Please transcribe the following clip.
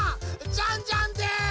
ジャンジャンです！